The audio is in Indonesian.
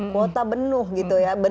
kuota benuh gitu ya